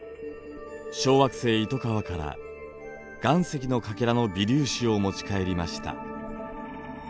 小惑星イトカワから岩石のかけらの微粒子を持ち帰りました。